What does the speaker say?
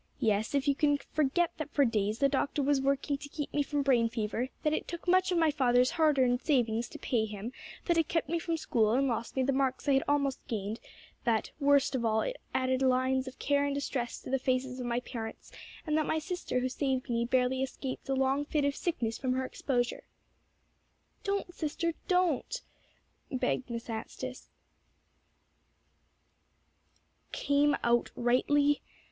"Yes, if you can forget that for days the doctor was working to keep me from brain fever; that it took much of my father's hard earned savings to pay him; that it kept me from school, and lost me the marks I had almost gained; that, worst of all, it added lines of care and distress to the faces of my parents; and that my sister who saved me, barely escaped a long fit of sickness from her exposure." "Don't, sister, don't," begged Miss Anstice. "Came out rightly?